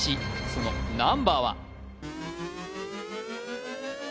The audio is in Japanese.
そのナンバーは？